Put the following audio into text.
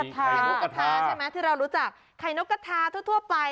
ใช่ไหมที่เรารู้จักไข่นกกระทาทั่วไป